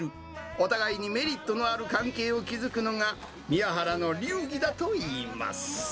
お互いにメリットのある関係を築くのが、みやはらの流儀だといいます。